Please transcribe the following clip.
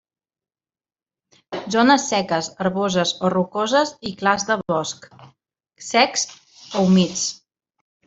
Zones seques, herboses o rocoses i clars de bosc, secs o humits.